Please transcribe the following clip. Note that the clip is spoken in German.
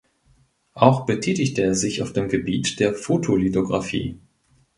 Auch betätigte er sich auf dem Gebiet der Fotolithografie.